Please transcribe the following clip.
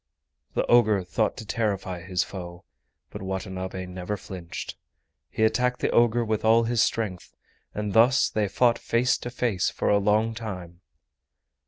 The ogre thought to terrify his foe, but Watanabe never flinched. He attacked the ogre with all his strength, and thus they fought face to face for a long time.